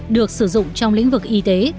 được sử dụng trong lĩnh vực y tế